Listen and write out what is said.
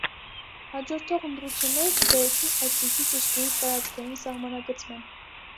Հաջորդող ընտրությունները չբերեցին այդպիսի ճշգրիտ տարածքային «սահմանագծման»։